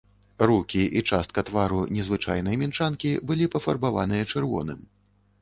Рукі і частка твару незвычайнай мінчанкі былі пафарбаваныя чырвоным.